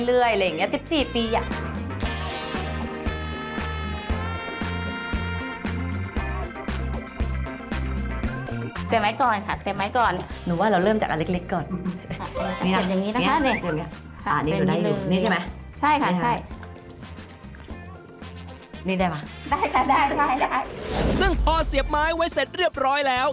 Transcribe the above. ซึ่งทอเสียบไม้ไว้เสร็จเรียบร้อยแล้ว